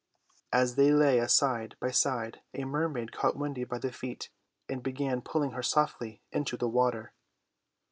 As they lay side by side a mermaid caught Wendy by the feet, and began pulling her softly into the water.